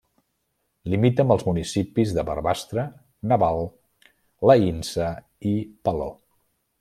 Limita amb els municipis de Barbastre, Naval, l'Aïnsa i Palo.